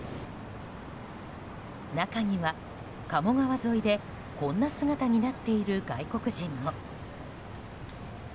中には鴨川沿いでこんな姿になっている外国人も。